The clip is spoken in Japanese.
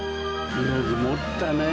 よくもったね。